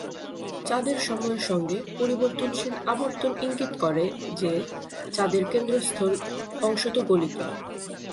চাঁদের সময়ের সঙ্গে পরিবর্তনশীল আবর্তন ইঙ্গিত করে যে, চাঁদের কেন্দ্রস্থল অংশত গলিত।